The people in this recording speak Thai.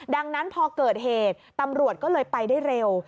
ดังนั้นพอเกิดเหตุตำรวจก็เลยไปได้เร็ว